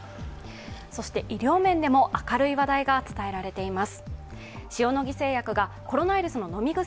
医療面でも明るい話題が伝えられています。